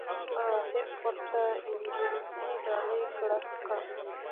راهب ورته انجیل ډالۍ کړ.